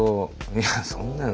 「いやそんなの。